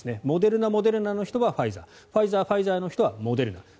モデルナ、モデルナの人はファイザーファイザー、ファイザーの人はモデルナ